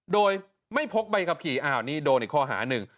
โดยไม่พกใบขับขี่อ้าวนี่โดนอีกข้อหาหนึ่ง